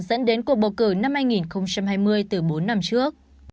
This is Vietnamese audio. dẫn đến cuộc bầu cử năm hai nghìn hai mươi từ bốn năm trước